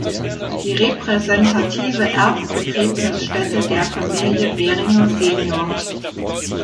Die repräsentative Erbbegräbnisstätte der Familie Beringer sen.